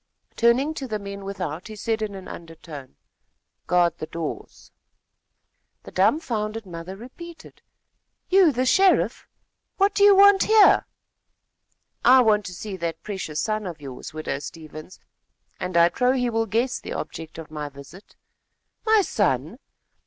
Turning to the men without, he said in an undertone: "Guard the doors." The dumfounded mother repeated: "You the sheriff! What do you want here?" "I want to see that precious son of yours, widow Stevens, and I trow he will guess the object of my visit." "My son!